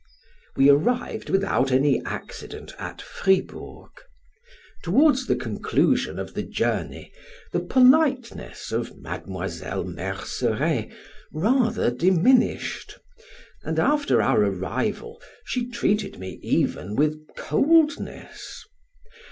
We arrived without any accident at Fribourg. Towards the conclusion of the journey, the politeness of Mademoiselle Merceret rather diminished, and, after our arrival, she treated me even with coldness.